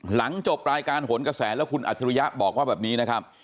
หลังจบรายการหนกระแสแล้วคุณอัจฉริยะบอกว่าแบบนี้นะครับ